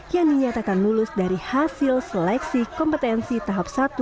yang dinyatakan lulus dari hasil seleksi kompetensi tahap satu